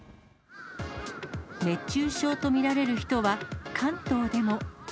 熱中症と見られる人は関東でも。